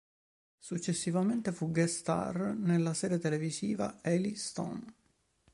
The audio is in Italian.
Successivamente fu guest star nella serie televisiva "Eli Stone".